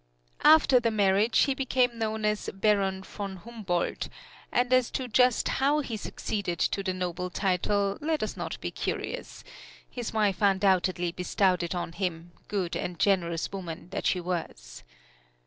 After the marriage he became known as Baron von Humboldt, and as to just how he succeeded to the noble title let us not be curious his wife undoubtedly bestowed it on him, good and generous woman that she was.